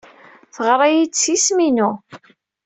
Yeɣra-iyi-d s yisem-inu.